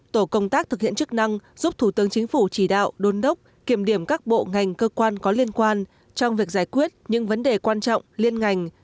tổ công tác thực hiện chức năng giúp thủ tướng chính phủ chỉ đạo đôn đốc kiểm điểm các bộ ngành cơ quan có liên quan trong việc giải quyết những vấn đề quan trọng liên ngành